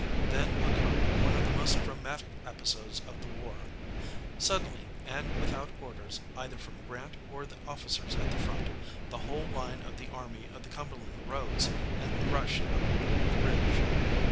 Then occurred one of the most dramatic episodes of the war. Suddenly, and without orders either from Grant or the officers at the front, the whole line of the Army of the Cumberland rose and rushed up the ridge.